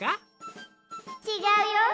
ちがうよ。